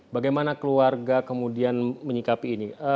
bagaimana keluarga kemudian menyikapi ini